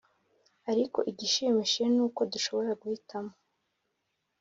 Ariko igishimishije ni uko dushobora guhitamo